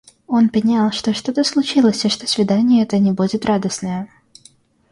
Он пенял, что что-то случилось и что свидание это не будет радостное.